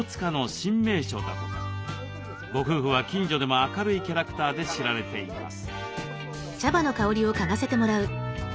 ご夫婦は近所でも明るいキャラクターで知られています。